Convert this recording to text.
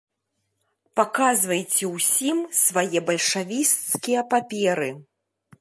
Паказвайце ўсім свае бальшавіцкія паперы.